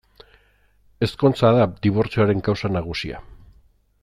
Ezkontza da dibortzioaren kausa nagusia.